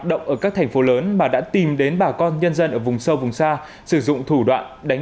động ở các thành phố lớn mà đã tìm đến bà con nhân dân ở vùng sâu vùng xa sử dụng thủ đoạn đánh